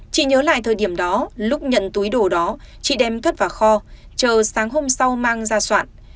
chị nhớ lại thời điểm đó lúc nhận túi đồ đó chị đem cất vào kho chờ sáng hôm sau mang ra soạn